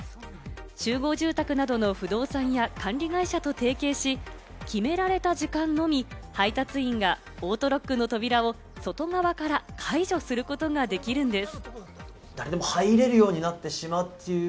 集合住宅などの不動産や管理会社と提携し、決められた時間のみ配達員がオートロックの扉を外側から解除することができるんです。